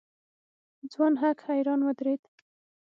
ځوان هک حيران ودرېد.